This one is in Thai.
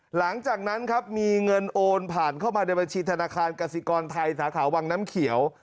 หลังจากนั้นครับมีเงินโอนผ่านเข้ามาในบัญชีธนาคารกสิกรไทยสาขาวังน้ำเขียว